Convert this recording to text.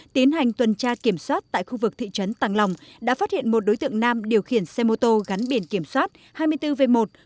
tiến hành tuần tra kiểm soát tại khu vực thị trấn tàng lòng đã phát hiện một đối tượng nam điều khiển xe mô tô gắn biển kiểm soát hai mươi bốn v một trăm linh chín nghìn năm trăm sáu mươi một